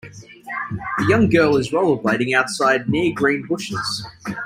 The young girl is rollerblading outside near green bushes.